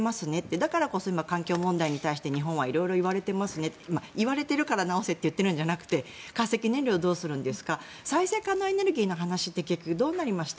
だからこそ今、環境問題に対して日本は色々言われていますねいわれているから直せと言っているんじゃなくて化石燃料をどうするのか再生可能エネルギーの話って結局どうなりました？